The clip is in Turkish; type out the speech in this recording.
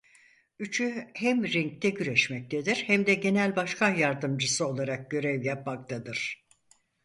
Üçü hem ringde güreşmektedir hem de genel başkan yardımcısı olarak görev yapmaktadır.